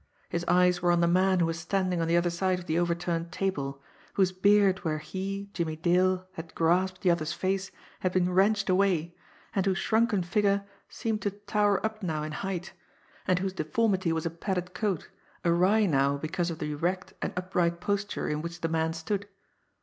His eyes were on the man who was standing on the other side of the overturned table, whose beard where he, Jimmie Dale, had grasped the other's face had been wrenched away, and whose shrunken figure seemed to tower up now in height, and whose deformity was a padded coat, awry now because of the erect and upright posture in which the man stood.